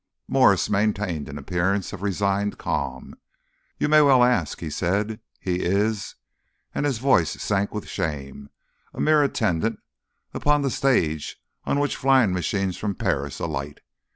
Mwres maintained an appearance of resigned calm. "You may well ask," he said. "He is" and his voice sank with shame "a mere attendant upon the stage on which the flying machines from Paris alight.